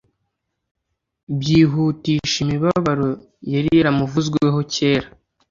byihutisha imibabaro yari yaramuvuzweho kera